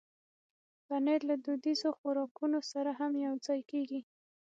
پنېر له دودیزو خوراکونو سره هم یوځای کېږي.